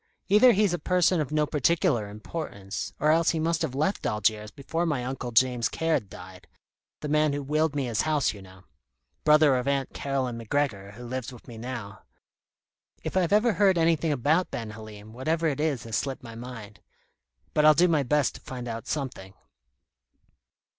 Either he's a person of no particular importance, or else he must have left Algiers before my Uncle James Caird died the man who willed me his house, you know brother of Aunt Caroline MacGregor who lives with me now. If I've ever heard anything about Ben Halim, whatever it is has slipped my mind. But I'll do my best to find out something."